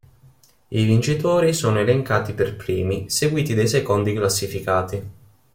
I vincitori sono elencati per primi, seguiti dai secondi classificati.